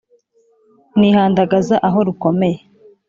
Nihandagaza aho rukomeye;